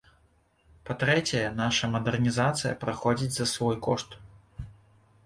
Па-трэцяе, наша мадэрнізацыя праходзіць за свой кошт.